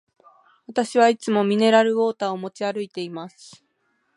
私はいつもミネラルウォーターを持ち歩いています。